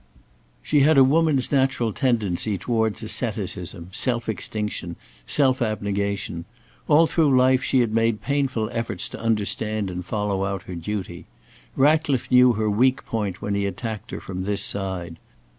She had a woman's natural tendency towards asceticism, self extinction, self abnegation. All through life she had made painful efforts to understand and follow out her duty. Ratcliffe knew her weak point when he attacked her from this side.